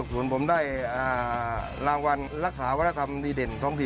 ส่วนผมได้รางวัลรักษาวัฒนธรรมดีเด่นท้องถิ่น